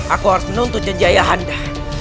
aku harus menuntut janji ayah anda